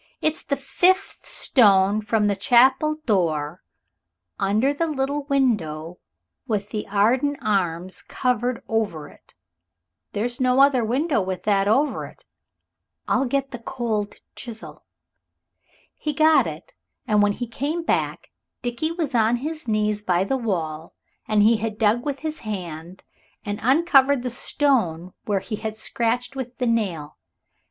"It's the fifth stone from the chapel door under the little window with the Arden arms carved over it. There's no other window with that over it. I'll get the cold chisel." He got it, and when he came back Dickie was on his knees by the wall, and he had dug with his hands and uncovered the stone where he had scratched with the nails.